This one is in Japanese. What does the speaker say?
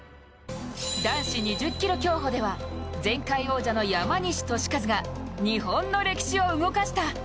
男子２０ｋｍ競歩では前回王者の山西利和が日本の歴史を動かした。